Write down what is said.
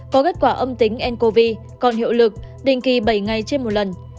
có kết quả âm tính ncov còn hiệu lực đình kỳ bảy ngày trên một lần